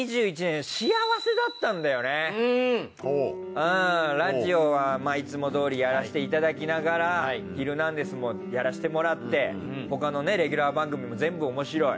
うんラジオはいつもどおりやらせていただきながら『ヒルナンデス！』もやらせてもらって他のレギュラー番組も全部おもしろい。